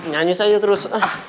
nyanyis aja terus